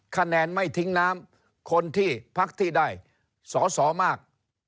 คะแนนไม่ทิ้งน้ำคนที่พักที่ได้สอสอมาก